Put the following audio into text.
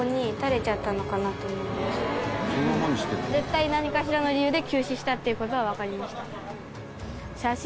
絶対何かしらの理由で急死したっていう事はわかりました。